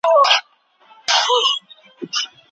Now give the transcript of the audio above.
له طبیعت سره.